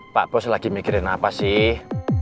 pak bos lagi mikirin apa sih